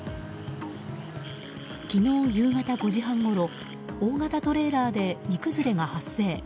昨日夕方５時半ごろ大型トレーラーで荷崩れが発生。